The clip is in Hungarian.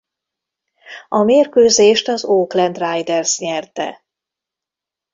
A mérkőzést az Oakland Raiders nyerte.